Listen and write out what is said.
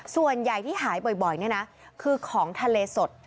ส่วนใหญ่ที่หายบ่อยเนี่ยนะคือของทะเลสด